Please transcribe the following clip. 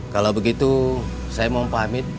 kalau begitu saya mau pamit